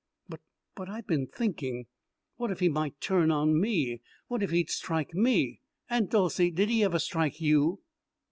"But but I been thinking what if he might turn on me what if he'd strike me? Aunt Dolcey did he ever strike you?"